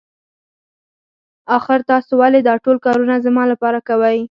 آخر تاسو ولې دا ټول کارونه زما لپاره کوئ.